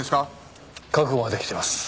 覚悟はできてます